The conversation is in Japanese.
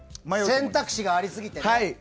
選択肢がありすぎてね。